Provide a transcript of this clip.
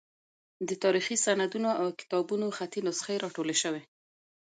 د تاریخي سندونو او کتابونو خطي نسخې راټولې شوې.